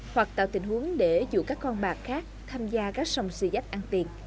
hoặc tạo tình huống để dụ các con bạc khác tham gia các sòng si giách ăn tiền